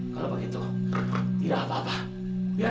kalau begitu tidak apa apa